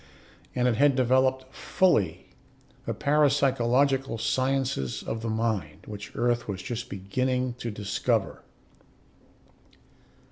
And it had developed fully the parapsychological sciences of the mind, which Earth was just beginning to discover.